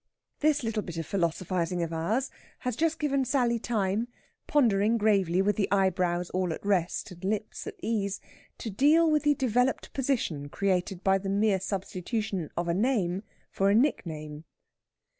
This little bit of philosophizing of ours has just given Sally time, pondering gravely with the eyebrows all at rest and lips at ease, to deal with the developed position created by the mere substitution of a name for a nickname.